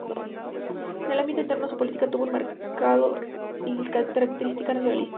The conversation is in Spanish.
En el ámbito interno, su política tuvo un marcado carácter nacionalista.